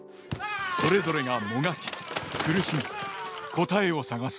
それぞれが、もがき、苦しみ答えを探す。